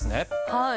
はい。